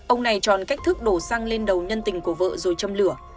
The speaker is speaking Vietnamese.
ông này tròn cách thức đổ xăng lên đầu nhân tình của vợ rồi châm lửa